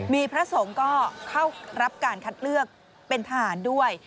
มีพระสงฆ์ก็เข้ารับการคัดเลือกเป็นทหารด้วย